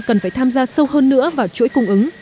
cần phải tham gia sâu hơn nữa vào chuỗi cung ứng